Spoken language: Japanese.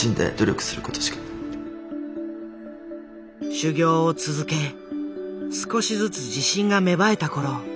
修業を続け少しずつ自信が芽生えた頃。